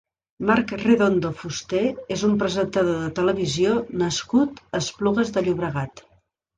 Marc Redondo Fusté és un presentador de televisió nascut a Esplugues de Llobregat.